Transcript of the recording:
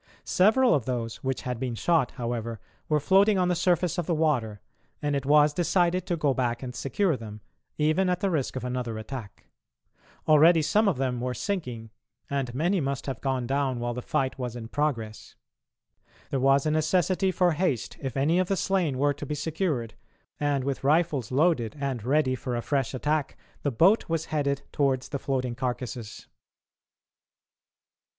Several of those which had been shot, however, were floating on the surface of the water, and it was decided to go back and secure them, even at the risk of another attack. Already some of them were sinking, and many must have gone down while the fight was in progress. There was a necessity for haste if any of the slain were to be secured, and with rifles loaded and ready for a fresh attack, the boat was headed towards the floating carcases.